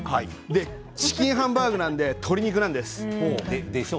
チキンハンバーグなので鶏肉です。